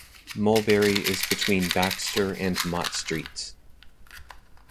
Mulberry is between Baxter and Mott Streets.